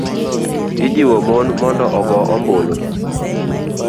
ijiwo mon mondo ogo ombulu.